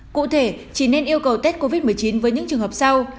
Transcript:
cụ thể chỉ nên yêu cầu test covid một mươi chín với những trường học sau